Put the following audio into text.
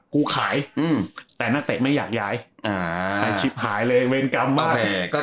กูขายแต่นักเตะไม่อยากย้ายไอ้ชิปหายเลยเวรกรรมบ้าง